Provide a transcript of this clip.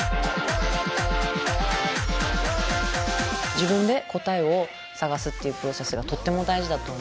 自分で答えを探すっていうプロセスがとっても大事だと思うし。